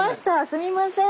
すみません。